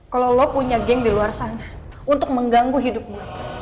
kalau lo punya geng di luar sana untuk mengganggu hidupmu